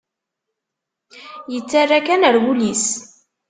Yettarra kan ar wul-is.